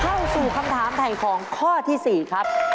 เข้าสู่คำถามถ่ายของข้อที่๔ครับ